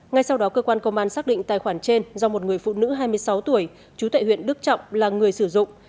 ngay sau đó cơ quan công an xác định tài khoản trên do một người phụ nữ hai mươi sáu tuổi trú tại huyện đức trọng là người sử dụng